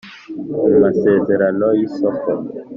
Mu masezerano y isoko